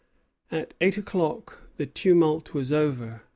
At eight o'clock the tumult was over.